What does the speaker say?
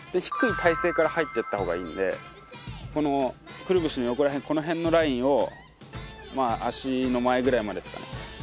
低い体勢から入っていった方がいいんでこのくるぶしの横この辺のラインを足の前ぐらいまでですかね。